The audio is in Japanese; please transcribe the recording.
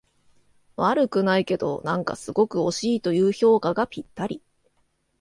悪くないけど、なんかすごく惜しいという評価がぴったり